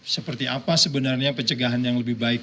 seperti apa sebenarnya pencegahan yang lebih baik